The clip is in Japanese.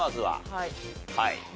はい。